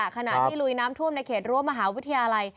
ขณะที่ลุยน้ำท่วมในเขตรั้วมหาวิทยาลัย